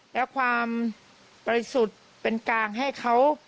และความบริสุทธิ์เป็นกลางให้เขา